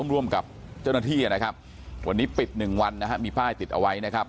ร่วมกับเจ้าหน้าที่นะครับวันนี้ปิดหนึ่งวันนะฮะมีป้ายติดเอาไว้นะครับ